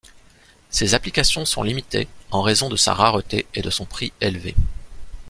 Ses applications sont limitées en raison de sa rareté et de son prix élevé.